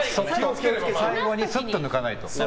最後にすっと抜かないと。